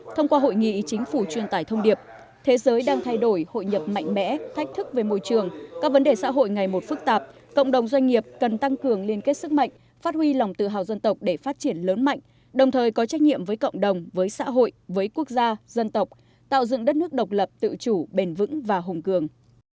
thông qua hội nghị chính phủ truyền tải thông điệp thế giới đang thay đổi hội nhập mạnh mẽ thách thức về môi trường các vấn đề xã hội ngày một phức tạp cộng đồng doanh nghiệp cần tăng cường liên kết sức mạnh phát huy lòng tự hào dân tộc để phát triển lớn mạnh đồng thời có trách nhiệm với cộng đồng với xã hội với quốc gia dân tộc tạo dựng đất nước độc lập tự chủ bền vững và hùng cường